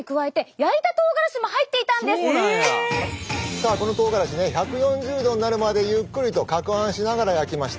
さあこのとうがらしね１４０℃になるまでゆっくりとかくはんしながら焼きました。